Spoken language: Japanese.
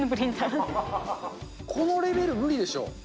このレベル無理でしょ。